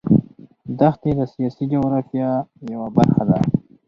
دښتې د سیاسي جغرافیه یوه برخه ده.